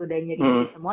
udah nyeri nyeri semua